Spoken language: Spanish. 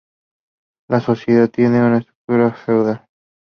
La sociedad tiene una estructura feudal.